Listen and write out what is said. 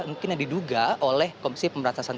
mungkin yang diduga oleh komisi pemberantasan